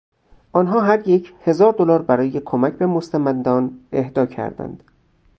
آنها هریک هزار دلار برای کمک به مستمندان اهدا کردند.